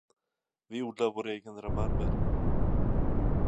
Vi odlar vår egen rabarber.